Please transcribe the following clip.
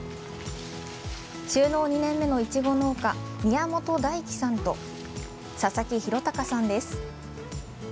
就農２年目のいちご農家宮本大暉さんと佐々木皓宇さんです。